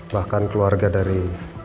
bahkan keluarga dari